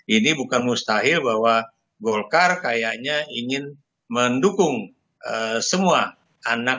ini bukan mustahil bahwa golkar kayaknya ingin mendukung semua anak